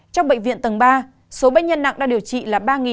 trong bệnh viện tầng ba số bệnh nhân nặng đang điều trị là ba năm mươi tám người